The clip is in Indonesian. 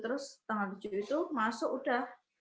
terus tanggal tujuh itu masuk udah